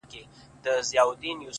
• كيسې هېري سوې د زهرو د خوړلو,